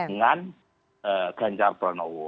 dengan ganjar pranowo